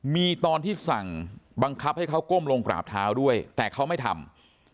มีตอนที่สั่งบังคับให้เขาก้มลงกราบเท้าด้วยแต่เขาไม่ทำ